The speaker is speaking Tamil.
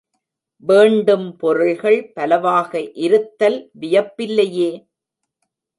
வேண்டும் பொருள்கள் பலவாக இருத்தல் வியப்பில்லையே.